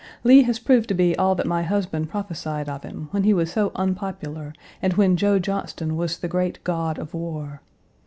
Lee has proved to be all that my husband prophesied of him when he was so unpopular and when Joe Johnston was the great god of war.